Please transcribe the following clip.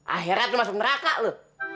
akhirnya lo masuk neraka lo